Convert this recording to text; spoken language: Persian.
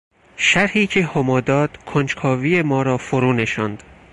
شرحی که هما داد کنجکاوی ما را فرونشاند.